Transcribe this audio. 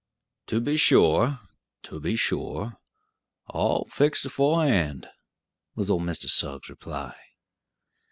"To be sure to be sure all fixed aforehand," was old Mr. Suggs' reply.